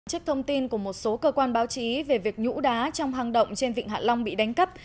trước thông tin của một số cơ quan báo chí về việc nhũ đá trong hang động trên vịnh hạ long bị đánh cắp